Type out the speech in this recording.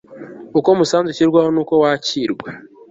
uko umusanzu ushyirwaho n'uko wakirwa